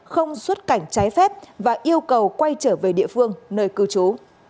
không xuất cảnh trái phép và yêu cầu quay trở về địa phương nơi cư trú